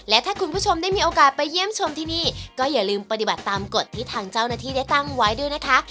และถ้าคุณผู้ชมได้มีโอกาสไปเยี่ยมชมที่นี่ก็อย่าลืมปฏิบัติตามกฎที่ทางเจ้าหน้าที่ได้ตั้งไว้ด้วยนะคะ